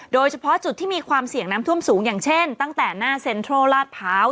โดยเฉพาะจุดที่มีความเสี่ยงน้ำท่วมสูงอย่างเช่นตั้งแต่หน้าเซ็นทรัลลาดพร้าว